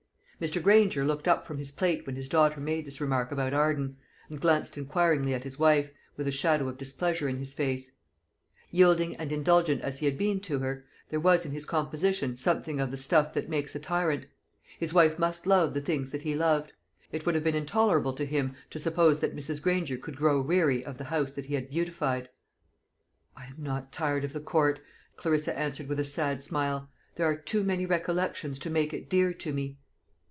Mr. Granger looked up from his plate when his daughter made this remark about Arden, and glanced inquiringly at his wife, with a shadow of displeasure in his face. Yielding and indulgent as he had been to her, there was in his composition something of the stuff that makes a tyrant. His wife must love the things that he loved. It would have been intolerable to him to suppose that Mrs. Granger could grow weary of the house that he had beautified. "I am not tired of the Court," Clarissa answered with a sad smile. "There are too many recollections to make it dear to me."